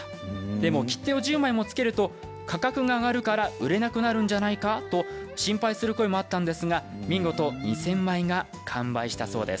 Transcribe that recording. でも切手を１０枚もつけると価格が上がるから売れなくなるんじゃないかと心配する声がありましたが見事に２０００枚が完売したそうです。